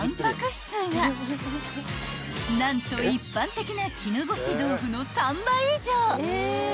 ［何と一般的な絹ごし豆腐の３倍以上］